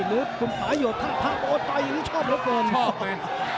กลุ่มขาหยกท่านท่านท่านโอ้โหต่อยอย่างนี้ชอบเหรอท่านท่านท่าน